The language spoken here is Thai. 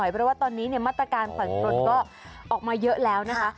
เพราะว่าตอนนี้เนี่ยมาตรการฝั่งรถก็ออกมาเยอะแล้วนะคะ